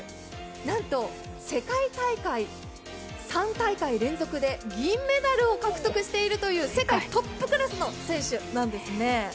なんと世界大会３大会連続で銀メダルを獲得しているという世界トップクラスの選手なんですね。